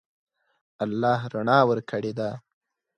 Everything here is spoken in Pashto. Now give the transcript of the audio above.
الله رڼا ورکړې ده.